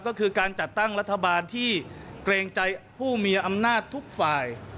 ก็คือการจัดตั้งรัฐบาลที่เกรงใจผู้มีอำนาจทุกฝ่าย